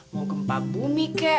mau gempa bumi kak